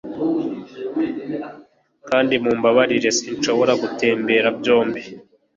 Kandi mumbabarire sinshobora gutembera byombi